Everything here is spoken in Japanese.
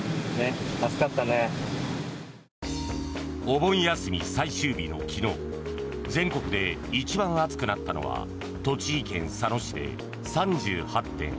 お盆休み最終日の昨日全国で一番暑くなったのは栃木県佐野市で３８．８度。